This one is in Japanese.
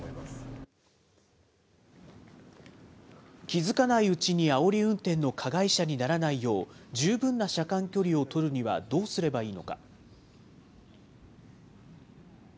気付かないうちにあおり運転の加害者にならないよう、十分な車間距離を取るにはどうすればいいのか。